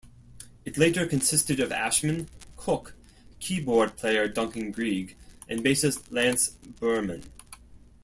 It later consisted of Ashman, Cook, keyboard player Duncan Grieg, and bassist Lance Burman.